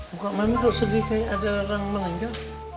bukan mami kok sedih kayak ada ramalan enggak